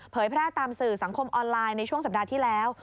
แพร่ตามสื่อสังคมออนไลน์ในช่วงสัปดาห์ที่แล้ว